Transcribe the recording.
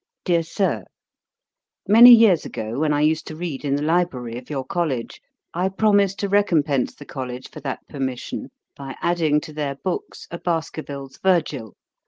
'DEAR SIR, 'Many years ago, when I used to read in the library of your College, I promised to recompence the College for that permission, by adding to their books a Baskerville's Virgil.